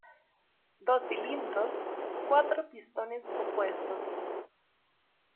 Dos cilindros, cuatro pistones opuestos.